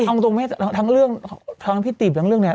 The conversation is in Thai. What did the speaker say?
ใช่มั้ยทั้งเรื่องทั้งพี่ตีบทั้งเรื่องเนี้ย